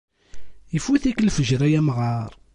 Ifut-ik lefjer, ay amɣar.